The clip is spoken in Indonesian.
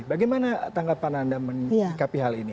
bagaimana tanggapan anda menikapi hal ini